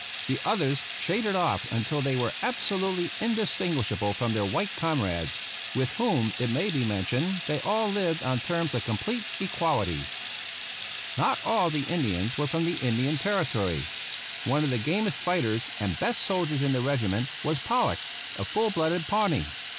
The others shaded off until they were absolutely indistinguishable from their white comrades; with whom, it maybe mentioned, they all lived on terms of complete equality. 20 RAISING THE REGIMENT Not all of the Indians were from the Indian Territory. One of the gamest fighters and best soldiers in the regiment was Pollock, a full blooded Pawnee.